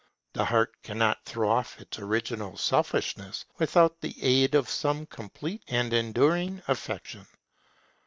The heart cannot throw off its original selfishness, without the aid of some complete and enduring affection.